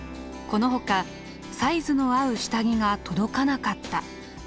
このほか「サイズの合う下着が届かなかった」